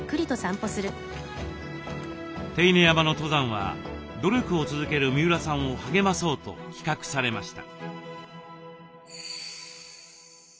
手稲山の登山は努力を続ける三浦さんを励まそうと企画されました。